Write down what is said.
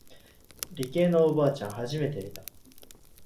理系のおばあちゃん初めて見た。